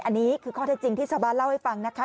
อันนี้คือข้อเท็จจริงที่ชาวบ้านเล่าให้ฟังนะคะ